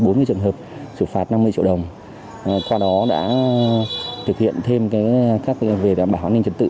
bốn mươi trường hợp xử phạt năm mươi triệu đồng qua đó đã thực hiện thêm về đảm bảo an ninh trật tự